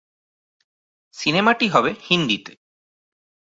সিনেমাটি হবে হিন্দিতে।